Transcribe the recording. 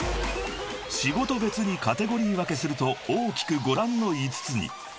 ［仕事別にカテゴリー分けすると大きくご覧の５つに］